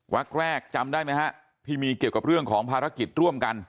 ักแรกจำได้ไหมฮะที่มีเกี่ยวกับเรื่องของภารกิจร่วมกัน